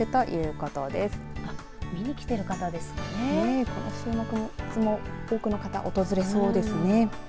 この週末も多くの方訪れそうですね。